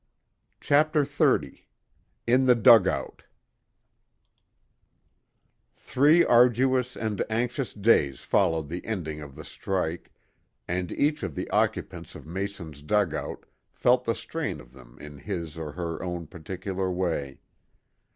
CHAPTER XXX IN THE DUGOUT Three arduous and anxious days followed the ending of the strike, and each of the occupants of Mason's dugout felt the strain of them in his or her own particular way.